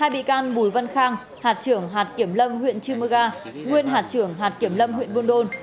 hai bị can bùi văn khang hạt trưởng hạt kiểm lâm huyện chư mơ ga nguyên hạt trưởng hạt kiểm lâm huyện buôn đôn